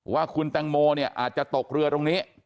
ว่าคุณแตงโมเนี่ยอาจจะตกเรือตรงนี้